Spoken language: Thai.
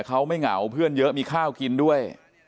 เขาไม่เหงาเพื่อนเยอะมีข้าวกินด้วย